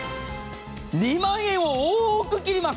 ２万円を大きく切ります。